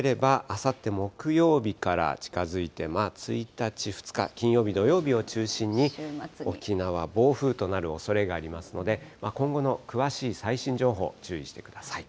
早ければあさって木曜日から近づいて、１日、２日、金曜日、土曜日を中心に、沖縄、暴風となるおそれがありますので、今後の詳しい最新情報、注意してください。